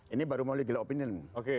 ini baru mau legil opinion